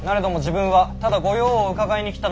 ども自分はただ御用を伺いに。